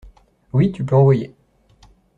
Oui tu peux envoyer.